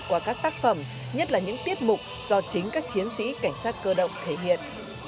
qua các tác phẩm nhất là những tiết mục do chính các chiến sĩ cảnh sát cơ động thể hiện